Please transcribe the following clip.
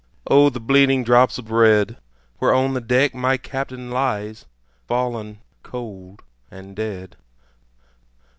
O the bleeding drops of red, Where on the deck my Captain lies, Fallen cold and dead.